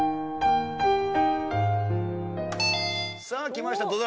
さあ来ました